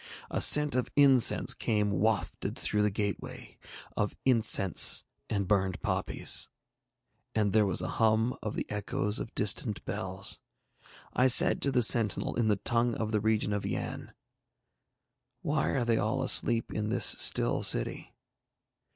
A scent of incense came wafted through the gateway, of incense and burned poppies, and there was a hum of the echoes of distant bells. I said to the sentinel in the tongue of the region of Yann, 'Why are they all asleep in this still city?'